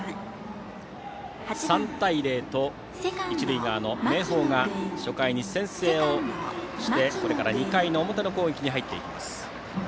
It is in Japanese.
３対０と一塁側の明豊が初回に先制をしてこれから２回の表の攻撃に入っていきます。